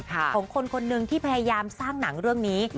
ของคนคนหนึ่งที่พยายามสร้างหนังเรื่องนี้